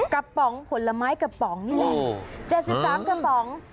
ป๋องผลไม้กระป๋องนี่แหละ๗๓กระป๋อง